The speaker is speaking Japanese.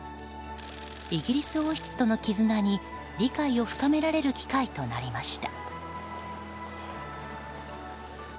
イギリス王室との絆に、理解を深められる機会となりました。